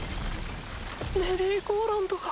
メリーゴーランドが。